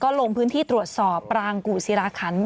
ก็ลงพื้นที่ตรวจสอบปลางกู่ซีลาขัน